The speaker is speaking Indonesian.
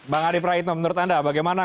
bang adi praitno menurut anda bagaimana